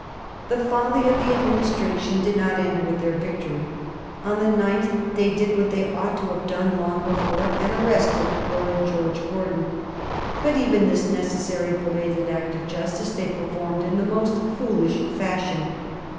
The folly of the Administration did not end with their victory. On the 9th they did what they ought to have done long before, and arrested Lord George Gordon. But even this necessary belated act of justice they performed in the most foolish fashion.